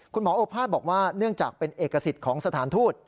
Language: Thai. โอภาษบอกว่าเนื่องจากเป็นเอกสิทธิ์ของสถานทูต